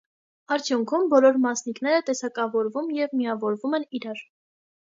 Արդյունքում բոլոր մասնիկները տեսակավորվում և միավորվում են իրար։